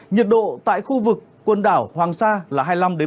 nhiệt độ tại khu vực quần đảo hoàng sa là hai mươi năm